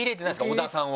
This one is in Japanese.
小田さんを。